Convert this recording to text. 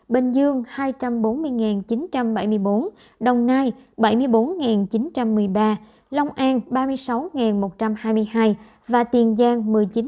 bình dương hai trăm bốn mươi chín trăm bảy mươi bốn đồng nai bảy mươi bốn chín trăm một mươi ba long an ba mươi sáu một trăm hai mươi hai và tiền giang một mươi chín